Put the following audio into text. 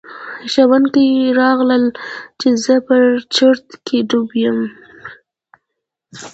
ښوونکي راغلل چې زه په چرت کې ډوب یم.